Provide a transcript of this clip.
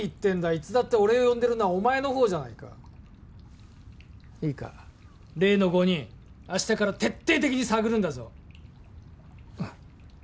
いつだって俺を呼んでるのはお前のほうじゃないかいいか例の５人明日から徹底的に探るんだぞうん